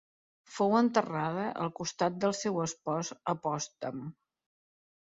Fou enterrada al costat del seu espòs a Potsdam.